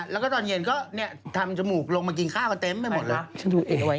แล้วก็ตอนเย็นก็ทำจมูกลงมากินข้าวมาเต็มไม่หมดเลย